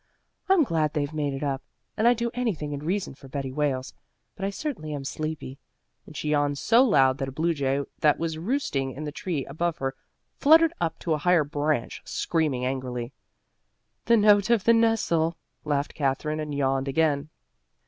I'm glad they've made it up, and I'd do anything in reason for Betty Wales, but I certainly am sleepy," and she yawned so loud that a blue jay that was roosting in the tree above her head fluttered up to a higher branch, screaming angrily. "The note of the nestle," laughed Katherine, and yawned again.